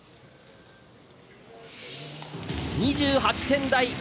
２８点台。